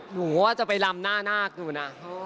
หนูว่าจะไปลำหน้านาคดูนะ